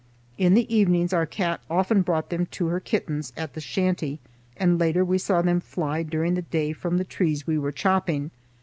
In the evenings our cat often brought them to her kittens at the shanty, and later we saw them fly during the day from the trees we were chopping.